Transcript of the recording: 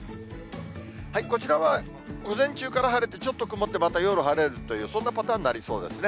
こちらは午前中から晴れて、ちょっと曇ってまた夜晴れるという、そんなパターンになりそうですね。